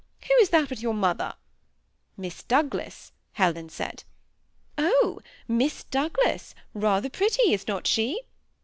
Who is that with your mother ?' Miss Douglas, Helen said* * Oh, Miss Douglas, rather pretty, is not she?'